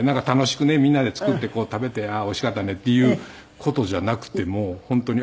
みんなで作って食べてああーおいしかったねっていう事じゃなくてもう本当に。